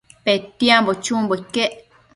Petiambo chumbo iquec